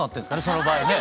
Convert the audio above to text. その場合ね。